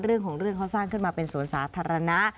เรื่องของเรื่องเขาสร้างขึ้นมาเป็นสวนสาธารณะ